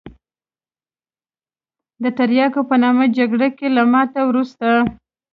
د تریاکو په نامه جګړه کې له ماتې وروسته.